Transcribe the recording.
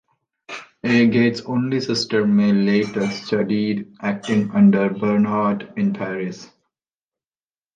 Agate's only sister, May, later studied acting under Bernhardt in Paris.